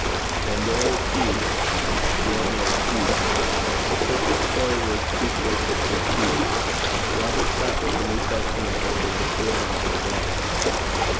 An' there was he ' The old man ceased. The sacred story was too sacred for speech. Robert sat with the New Testament open before him on the bed.